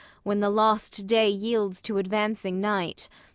When the lost day yields to advancing night.